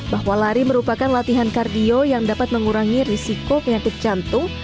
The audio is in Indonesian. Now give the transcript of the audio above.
bahwa lari merupakan latihan kardio yang dapat mengurangi risiko penyakit jantung